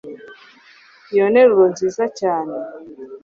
iyo nteruro nziza cyane